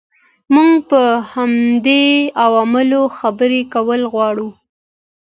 موږ په همدې عواملو خبرې کول غواړو.